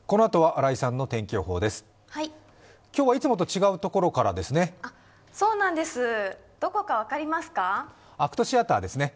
今日はいつもと違うところからですね？